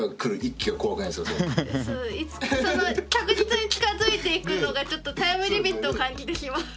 その確実に近づいていくのがちょっとタイムリミットを感じてしまう。